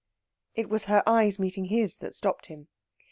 It was her eyes meeting his that stopped him.